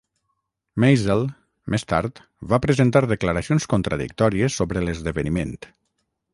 Mazel, més tard, va presentar declaracions contradictòries sobre l'esdeveniment.